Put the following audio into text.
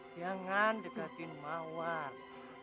jangan dekatin mawar